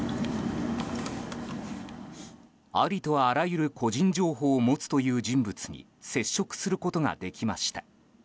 ありとあらゆる個人情報を持つという人物に接触することができました。